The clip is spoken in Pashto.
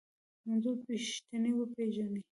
منظور پښتين و پېژنئ.